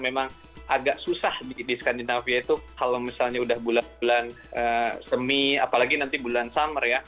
memang agak susah di skandinavia itu kalau misalnya udah bulan bulan semi apalagi nanti bulan summer ya